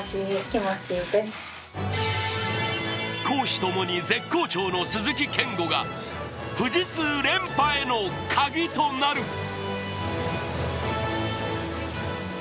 公私ともに絶好調の鈴木健吾が富士通連覇へのカギとなる。